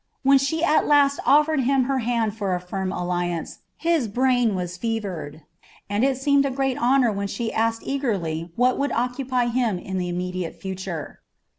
When she at last offered him her hand for a firm alliance, his brain was fevered, and it seemed a great honour when she asked eagerly what would occupy him in the immediate future.